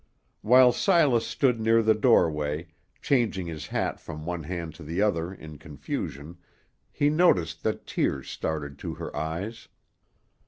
While Silas stood near the doorway, changing his hat from one hand to the other in confusion, he noticed that tears started to her eyes.